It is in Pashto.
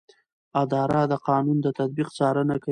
اداره د قانون د تطبیق څارنه کوي.